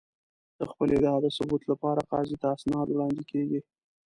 د خپلې ادعا د ثبوت لپاره قاضي ته اسناد وړاندې کېږي.